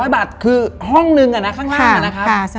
๘๐๐บาทคือห้องนึงอ่ะนะค่าน้านค่ะ